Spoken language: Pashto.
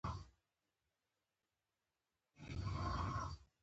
ولایتونه د افغان ښځو په ژوند کې رول لري.